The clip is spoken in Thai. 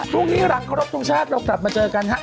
พรุ่งนี้หลังครบทรงชาติเรากลับมาเจอกันฮะ